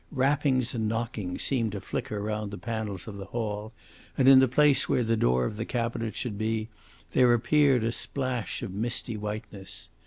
Rappings and knockings seemed to flicker round the panels of the hall, and in the place where the door of the cabinet should be there appeared a splash of misty whiteness.